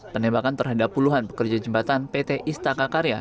penembakan terhadap puluhan pekerja jembatan pt istaka karya